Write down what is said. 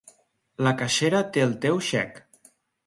La caixera té el teu xec.